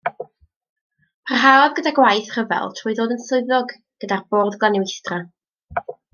Parhaodd gyda gwaith rhyfel trwy ddod yn swyddog gyda'r Bwrdd Glanweithdra.